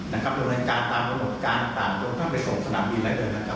นะครับโดยรายการตามประโยชน์การต่างต่างโดยเข้าไปส่งสนามบินได้เลยนะครับ